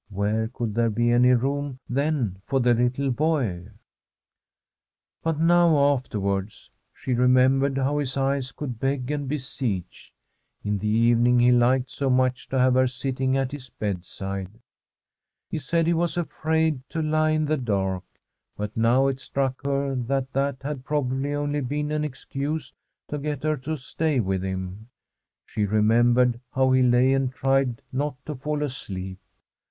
Where could there be any room, then, for the little boy ? But now, afterwards, she remembered how his eyes could beg and beseech. In the evening he liked so much to have her sitting at his bedside. [ 334 1 Tbi INSCRIPTION $n the GRAVE He said he was afraid to lie in the dark ; but now it struck her that that had probably only been an excuse to get her to stay with him. She re membered how he lay and tried not to fall asleep.